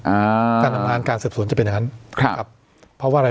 อ่าการทำงานการสืบสวนจะเป็นอย่างนั้นครับครับเพราะว่าอะไร